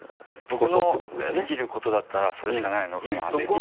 僕のできることだったらそれしかないのかなって。